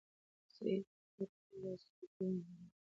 سعید په خپل کوچني لاس کې د کلي انځور نیولی و.